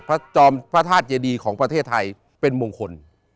พระจอบพระทาสเยดีของประเทศไทยเป็นมงคล